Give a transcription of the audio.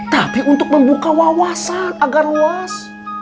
tapi untuk membuka wawasan agar luas